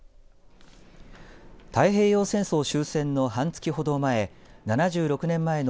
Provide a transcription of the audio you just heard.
太平洋戦争終戦の半月ほど前７６年前の